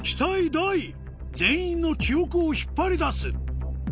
大全員の記憶を引っ張り出すえ